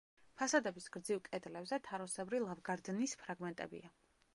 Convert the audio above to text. ფასადების გრძივ კედლებზე თაროსებრი ლავგარდნის ფრაგმენტებია.